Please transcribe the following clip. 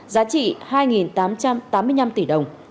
giá trị hai tám trăm tám mươi năm tỷ đồng